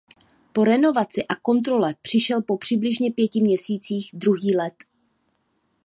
Po renovaci a kontrole přišel po přibližně pěti měsících druhý let.